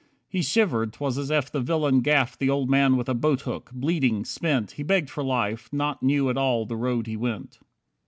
He shivered, 'twas as if the villain gaffed The old man with a boat hook; bleeding, spent, He begged for life nor knew at all the road he went.